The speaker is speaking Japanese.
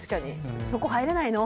そこ、入れないの？